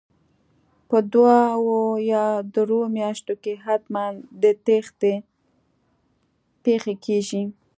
په دوو یا درو میاشتو کې حتمن د تېښتې پېښې کیږي